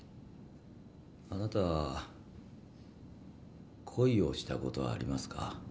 あなたは恋をしたことありますか？